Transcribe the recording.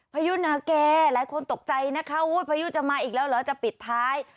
พายุนาเกหลายคนตกใจนะคะพายุจะมาอีกแล้วเหรอจะปิดท้าย